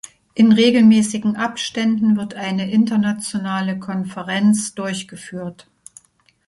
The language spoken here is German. In regelmäßigen Abständen wird eine internationale Konferenz durchgeführt.